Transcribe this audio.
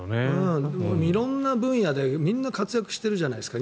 色んな分野でみんな活躍してるじゃないですか